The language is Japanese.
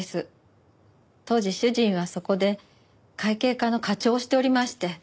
当時主人はそこで会計課の課長をしておりまして。